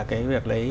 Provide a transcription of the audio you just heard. cái việc lấy